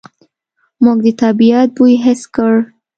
موږ د طبعیت بوی حس کړ.